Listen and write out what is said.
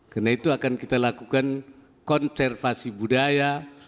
karena itu akan kita lakukan konservasi budaya